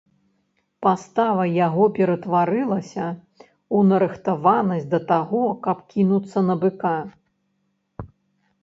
Пастава яго ператварылася ў нарыхтаванасць да таго, каб кінуцца на быка.